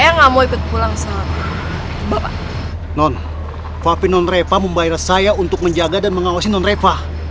non vapin nonreva membayar saya untuk menjaga dan mengawasi nonreva